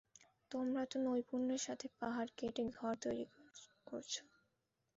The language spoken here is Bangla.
তোমরা তো নৈপুণ্যের সাথে পাহাড় কেটে ঘর তৈরি করছ।